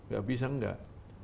gak bisa enggak